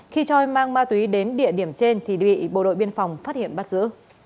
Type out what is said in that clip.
khi choi mang ma túy đến địa điểm trên thì bị bộ đội biên phòng phát hiện bắt giữ